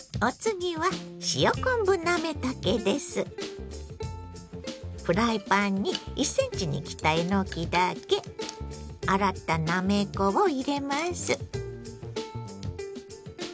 お次はフライパンに１ｃｍに切ったえのきだけ洗ったなめこを入れます。